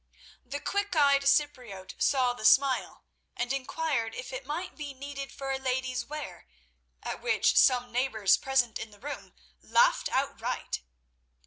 The quick eyed Cypriote saw the smile, and inquired if it might be needed for a lady's wear, at which some neighbours present in the room laughed outright.